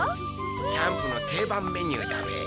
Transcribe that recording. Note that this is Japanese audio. キャンプの定番メニューだべ。